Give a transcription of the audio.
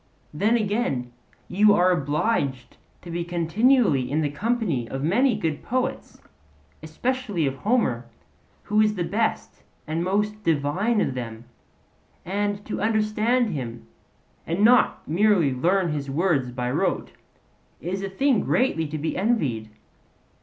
Then, again, you are obliged to be continually in the company of many good poets; and especially of Homer, who is the best and most divine of them; and to understand him, and not merely learn his words by rote, is a thing greatly to be envied.